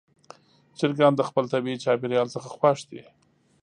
چرګان د خپل طبیعي چاپېریال څخه خوښ دي.